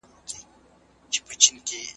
د ماشوم پوزه د مالګې اوبو سره پاکه کړئ.